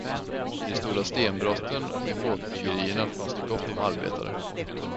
I de stora stenbrotten och i båtbyggerierna fanns det gott om arbetare.